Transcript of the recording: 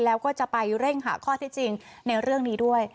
แล้วก็จะไปเร่งหาข้อที่จริงในเรื่องนี้ด้วย